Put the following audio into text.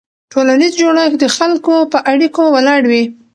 ټولنیز جوړښت د خلکو په اړیکو ولاړ وي.